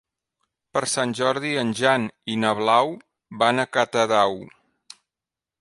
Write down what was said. Per Sant Jordi en Jan i na Blau van a Catadau.